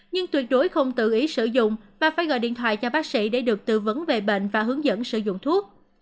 nhưng tuyệt đối không tự ý sử dụng và phải gọi điện thoại cho bác sĩ để được tư vấn về bệnh và hướng dẫn sử dụng thuốc